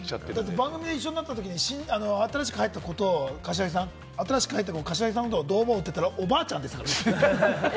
番組一緒になった子に新しく入ったこと、柏木さんのことをどう思う？って言ったら、おばあちゃんって言ったからね。